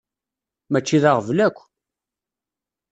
Mačči d aɣbel akk!